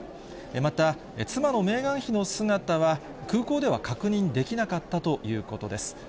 また、妻のメーガン妃の姿は、空港では確認できなかったということです。